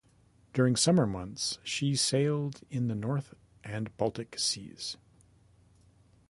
During summer months she sailed in the North and Baltic Seas.